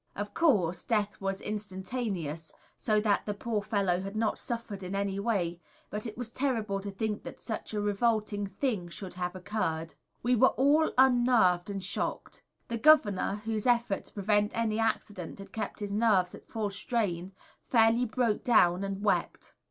Of course, death was instantaneous, so that the poor fellow had not suffered in any way; but it was terrible to think that such a revolting thing should have occurred. We were all unnerved and shocked. The Governor, whose efforts to prevent any accident had kept his nerves at full strain, fairly broke down and wept.